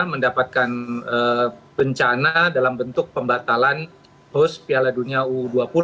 mendapatkan bencana dalam bentuk pembatalan host piala dunia u dua puluh